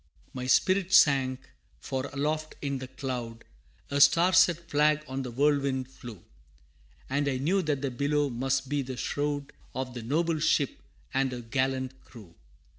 My spirit sank, for aloft in the cloud, A Star set Flag on the whirlwind flew, And I knew that the billow must be the shroud Of the noble ship and her gallant crew.